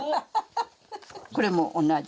これも同じ。